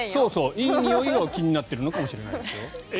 いいにおいが気になっているのかもしれないですよ。